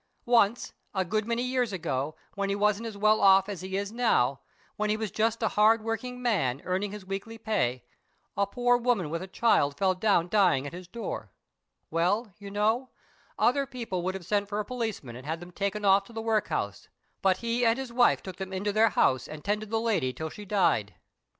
Once, a good many years ago, when he wasn't as well off as he is now, when he was just a hard working man, earning his weekly pay, a poor woman with a child fell down dying at his door. Well, you know, other people would have sent for a policeman and had them taken off to the workhouse, but he and his wife took them into their house and tended the lady till she died."